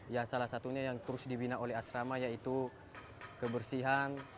ya salah satunya yang terus dibina oleh asrama yaitu kebersihan